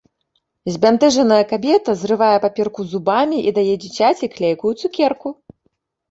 Збянтэжаная кабета зрывае паперку зубамі і дае дзіцяці клейкую цукерку.